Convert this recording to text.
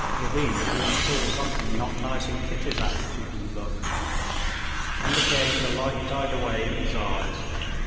Levin even saw something not nice in Kitty's attitude and look. And again the light died away in his eyes.